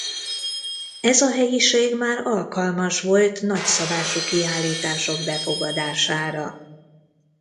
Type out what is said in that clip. Ez a helyiség már alkalmas volt nagyszabású kiállítások befogadására.